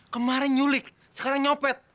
kemarin nyulik sekarang nyepet